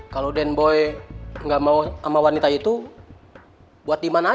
kalau dendoy gak mau sama wanita itu buat di mana aja